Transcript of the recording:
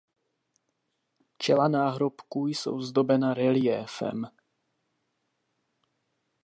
Čela náhrobků jsou zdobena reliéfem.